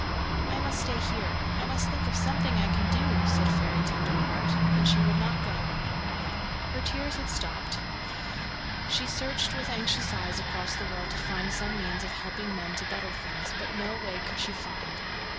"I must stay here. I must think of something I can do," said Fairy Tenderheart; and she would not go. Her tears had stopped. She searched with anxious eyes across the world to find some means of helping men to better things, but no way could she find.